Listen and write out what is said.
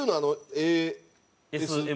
ＡＳＭＲ。